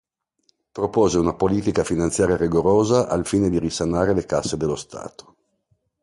Propose una politica finanziaria rigorosa al fine di risanare le casse dello stato.